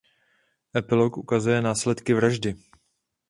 Epilog ukazuje následky vraždy.